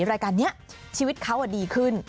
รายการนี้ชีวิตเขาดีขึ้น